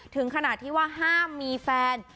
ถึงขนาดที่ว่าห้ามมีแฟน